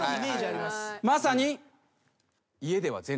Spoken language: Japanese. まさに。